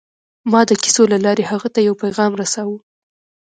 ما د کیسو له لارې هغه ته یو پیغام رساوه